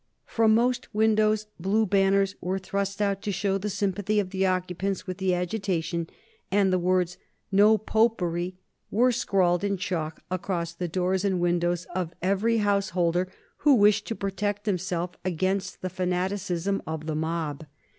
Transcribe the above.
From most windows blue banners were thrust out to show the sympathy of the occupants with the agitation, and the words "No Popery" were scrawled in chalk across the doors and windows of every householder who wished to protect himself against the fanaticism of the mob.